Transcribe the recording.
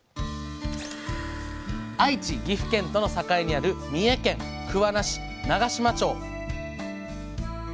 愛知岐阜県との境にある三重県桑名市長島町。